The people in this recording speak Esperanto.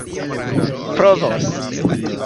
provos